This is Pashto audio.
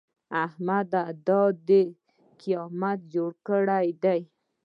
احمده! دا دې څه قيامت جوړ کړی دی؟